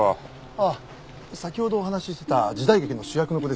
ああ先ほどお話ししてた時代劇の主役の子ですよ。